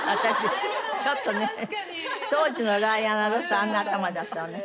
ちょっとね当時のダイアナ・ロスはあんな頭だったわね。